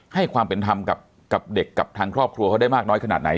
ให้ความเป็นธรรมกับเด็กกับทางครอบครัวเขาได้มากน้อยขนาดไหน